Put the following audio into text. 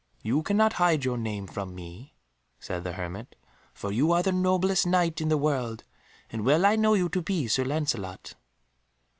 "You cannot hide your name from me," said the hermit, "for you are the noblest Knight in the world, and well I know you to be Sir Lancelot."